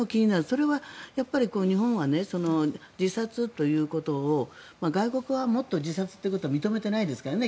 それはやっぱり、日本は自殺ということを外国はもっと自殺ということを認めてないですからね。